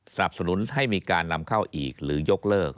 สนับสนุนให้มีการนำเข้าอีกหรือยกเลิก